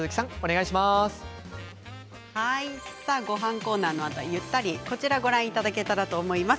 ごはんコーナーのあとはゆったりこちらをご覧いただけたらと思います。